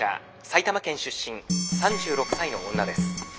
埼玉県出身３６歳の女です」。